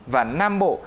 và nam bộ